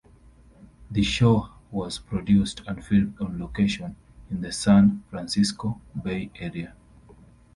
The show was produced and filmed on location in the San Francisco Bay Area.